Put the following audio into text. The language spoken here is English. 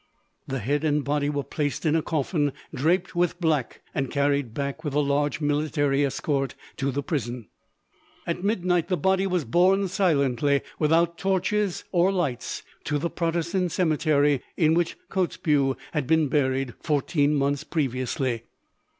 The head and body were placed in a coffin draped with black, and carried back, with a large military escort, to the prison. At midnight the body was borne silently, without torches or lights, to the Protestant cemetery, in which Kotzebue had been buried fourteen months previously.